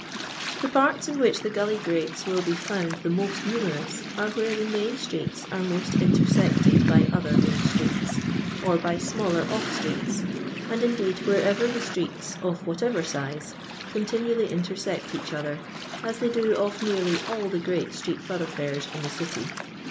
The parts in which the gully grates will be found the most numerous are where the main streets are most intersected by other main streets, or by smaller off streets, and indeed wherever the Streets, of whatever size, continually intersect each other, as they do off nearly all the great street thoroughfares in the City.